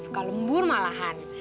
suka lembur malahan